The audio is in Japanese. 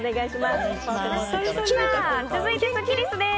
続いてスッキりすです。